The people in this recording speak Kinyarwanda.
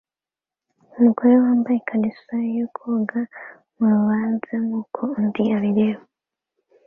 Umugore wambaye ikariso yo koga mu rubanza nkuko undi abireba